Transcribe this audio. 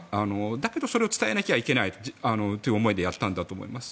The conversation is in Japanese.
だけどそれを伝えなきゃいけないという思いでやったんだと思います。